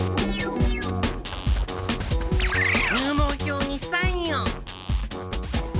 入門票にサインを！